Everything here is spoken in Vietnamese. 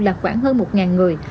là khoảng hơn một người